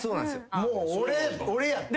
もう俺俺やった。